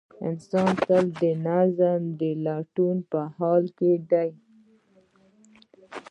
انسان تل د نظم د لټون په حال کې دی.